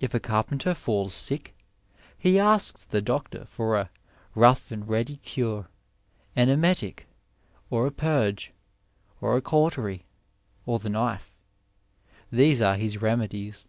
If a carpenter falls sick, he asks the doctor for a ''rough and ready cure — an emetic, or a purge, or a cautery, or the knife — ^these are his remedies."